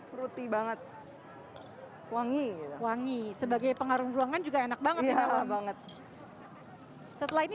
fruity banget wangi wangi sebagai pengarung ruangan juga enak banget setelah ini